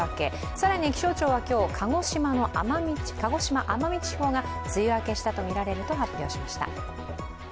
更に気象庁は今日、鹿児島・奄美地方が梅雨明けしたとみられると発表しました。